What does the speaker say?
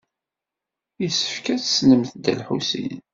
Yessefk ad tessnemt Dda Lḥusin.